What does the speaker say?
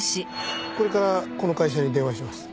これからこの会社に電話します。